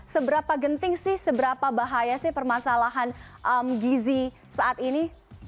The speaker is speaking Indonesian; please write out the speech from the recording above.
seberapa genting sih seberapa bahaya sih permasalahan gizi saat ini